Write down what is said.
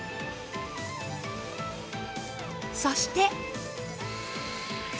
そして